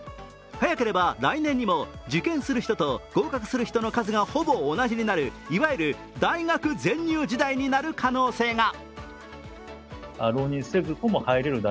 早ければ来年にも、受験する人と合格する人の数がほぼ同じになる、いわゆる大学全入時代になる可能性が。